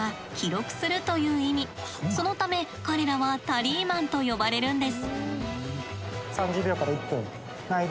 そのため彼らはタリーマンと呼ばれるんです。